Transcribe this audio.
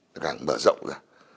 nó càng mở rộng ra